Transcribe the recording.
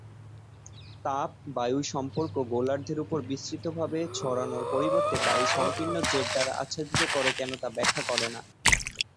তাপ বায়ু সম্পর্ক গোলার্ধের উপর বিস্তৃতভাবে ছড়ানোর পরিবর্তে বায়ু সংকীর্ণ জেট দ্বারা আচ্ছাদিত করে কেন তা ব্যাখ্যা করে না।